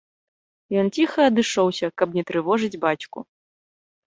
Ён ціха адышоўся, каб не трывожыць бацьку.